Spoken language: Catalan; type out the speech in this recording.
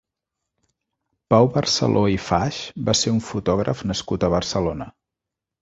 Pau Barceló i Faix va ser un fotògraf nascut a Barcelona.